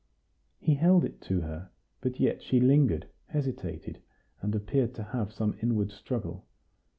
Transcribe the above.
He held it to her, but yet she lingered, hesitated, and appeared to have some inward struggle.